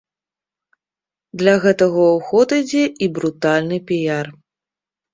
Для гэтага ў ход ідзе і брутальны піяр.